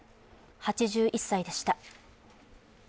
８１歳でした。